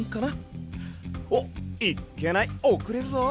おっいっけないおくれるぞ！